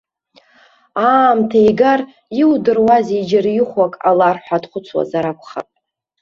Аамҭа игар, иудыруазеи џьара ихәо ак ҟалар ҳәа дхәыцуазар акәхап.